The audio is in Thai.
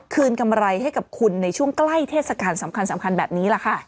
กำไรให้กับคุณในช่วงใกล้เทศกาลสำคัญแบบนี้แหละค่ะ